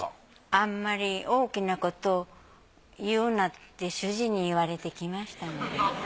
あんまり大きなこと言うなって主人に言われてきましたので。